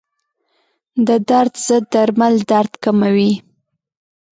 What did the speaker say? د درد ضد درمل درد کموي.